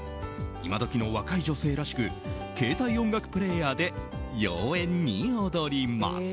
今どきの若い女性らしく携帯音楽プレーヤーで妖艶に踊ります。